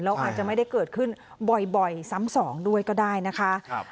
แล้วอาจจะไม่ได้เกิดขึ้นบ่อยซ้ำสองด้วยก็ได้นะคะ